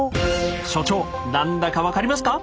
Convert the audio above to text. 所長何だか分かりますか？